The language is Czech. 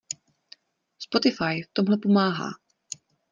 Spotify v tomhle pomáhá.